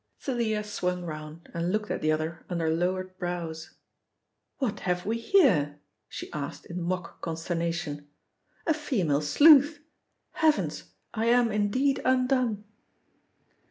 Thalia swung round and looked at the other under lowered brows. "What have we here?" she asked in mock consternation. "A female sleuth! Heavens, I am indeed undone!"